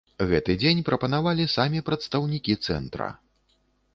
Гэты дзень прапанавалі самі прадстаўнікі цэнтра.